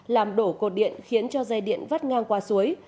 làm đổ cột điện khiến cho dây điện vắt ngang qua suối